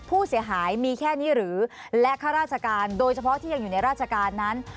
ผู้เสียหายมีแค่นี้หรือและข้าราชการโดยเฉพาะที่ยังอยู่ในราชการนั้น